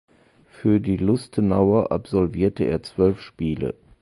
Für die Lustenauer absolvierte er zwölf Spiele.